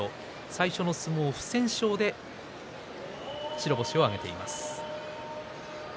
最初の相撲、不戦勝で白星を挙げています。